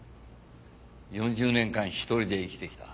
４０年間一人で生きてきた。